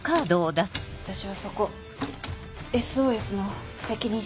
私はそこ「ＳＯＳ」の責任者。